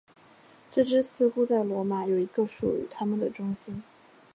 这支似乎在罗马有一个属于他们的中心。